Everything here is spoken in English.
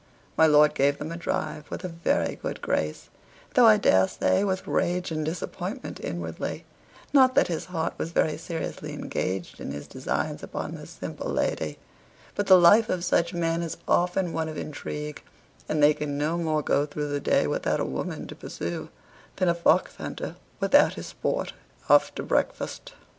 My lord gave them a drive with a very good grace, though, I dare say, with rage and disappointment inwardly not that his heart was very seriously engaged in his designs upon this simple lady: but the life of such men is often one of intrigue, and they can no more go through the day without a woman to pursue, than a fox hunter without his sport after breakfast.